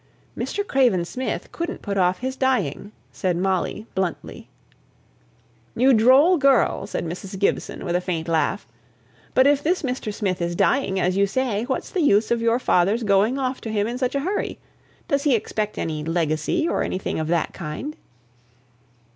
"Mr. Craven Smith couldn't put off his dying," said Molly, bluntly. "You droll girl!" said Mrs. Gibson, with a faint laugh. "But if this Mr. Smith is dying, as you say, what's the use of your father's going off to him in such a hurry? Does he expect any legacy, or anything of that kind?"